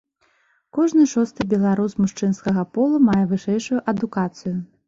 Кожны шосты беларус мужчынскага полу мае вышэйшую адукацыю.